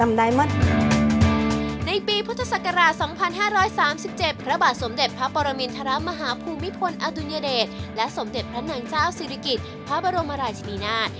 ในปีพุทธศักราช๒๕๓๗พระบาทสมเด็จพระปรมินทรมาฮภูมิพลอดุญเดชและสมเด็จพระนางเจ้าศิริกิจพระบรมราชนีนาฏ